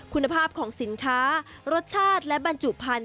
คุณภาพของสินค้ารสชาติและบรรจุพันธุ